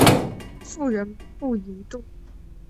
妇人不淫妒。